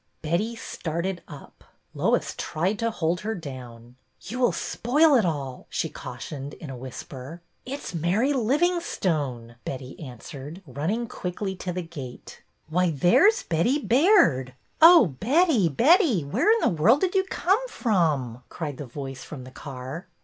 Betty started up. Lois tried to hold her down. '' You will spoil it all," she cautioned, in a whisper. It 's Mary Livingstone," Betty answered, running quickly to the gate. Why, there 's Betty Baird ! Oh, Betty, Betty, where in the world did you come from?" cried the voice from the car.